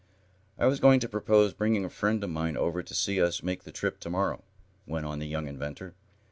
"I was going to propose bringing a friend of mine over to see us make the trip to morrow," went on the young inventor.